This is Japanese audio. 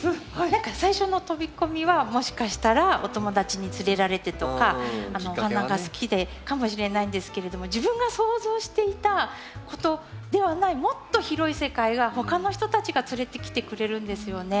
何か最初の飛び込みはもしかしたらお友達に連れられてとかお花が好きでかもしれないんですけれども自分が想像していたことではないもっと広い世界が他の人たちが連れてきてくれるんですよね。